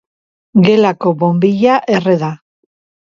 Gelako bonbilla erre da.